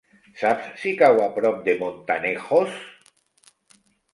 Saps si cau a prop de Montanejos?